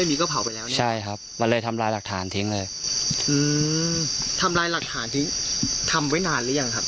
ไม่เจอเพราะว่าผู้ร้ายเขานำการเผาทิ้งไปแล้วตั้งแต่เมื่อคืนครับ